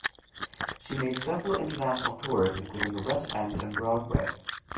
She made several international tours including the West End and Broadway.